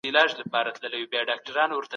په سوسیالیزم کي ابتکار له منځه ځي.